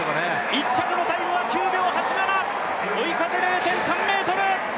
１着のタイムは９秒８７追い風０．３メートル。